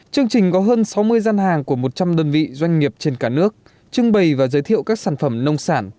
chương trình có hơn sáu mươi gian hàng của một trăm linh đơn vị doanh nghiệp trên cả nước trưng bày và giới thiệu các sản phẩm nông sản